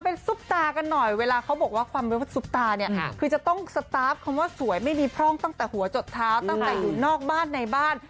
เป็นซุปตากันหน่อยเวลาเขาบอกว่าความเป็นว่าซุปตาเนี่ยคือจะต้องสตาร์ฟคำว่าสวยไม่มีพร่องตั้งแต่หัวจดเท้าตั้งแต่อยู่นอกบ้านในบ้าน